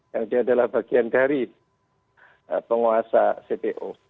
yang dia adalah bagian dari penguasa cpo